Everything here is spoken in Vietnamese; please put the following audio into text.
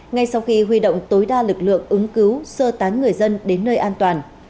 ngay sau khi huy động tối đa lực lượng ứng cứu sơ tán người dân đến nơi an toàn